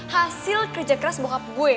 hasil kerja keras bokap gue